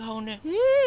うん！